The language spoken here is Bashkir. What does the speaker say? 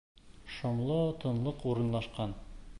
Шомло тынлыҡ урынлашҡан.